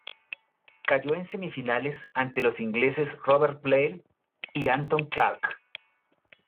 Cayó en semifinales ante los ingleses Robert Blair y Anthony Clark.